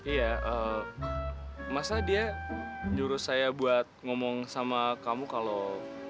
iya masa dia nyuruh saya buat ngomong sama kamu kalau